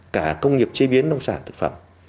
cả công nghiệp chế biến nông sản thực phẩm